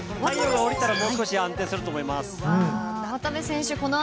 日がおりたらもう少し安定すると思います。